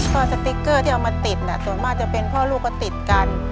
ก็สติ๊กเกอร์ที่เอามาติดส่วนมากจะเป็นพ่อลูกก็ติดกัน